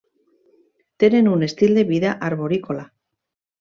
Tenen un estil de vida arborícola.